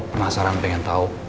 om penasaran pengen tahu